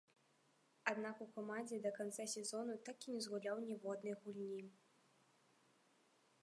Аднак у камандзе да канца сезону так і не згуляў ніводнай гульні.